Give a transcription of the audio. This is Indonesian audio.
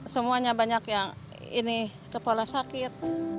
semuanya banyak yang ini kepala sakit